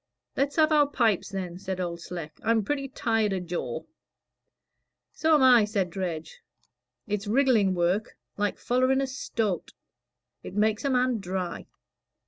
"Let's have our pipes, then," said Old Sleck; "I'm pretty well tired o' jaw." "So am I," said Dredge. "It's wriggling work like follering a stoat. It makes a man dry.